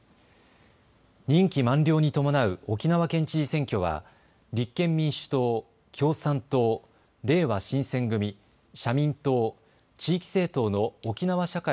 任期満了に伴う沖縄県知事選挙は立憲民主党、共産党、れいわ新選組、社民党、地域政党の沖縄社会